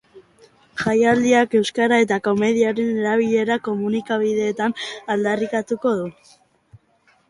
Jaialdiak euskara eta komediaren erabilera komunikabideetan aldarrikatuko du.